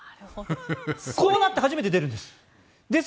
こうなって初めて出るんです。